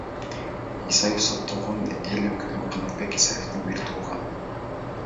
Исаев — соттолгон эл өкүлү Канатбек Исаевдин бир тууганы.